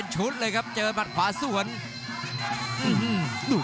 รับทราบบรรดาศักดิ์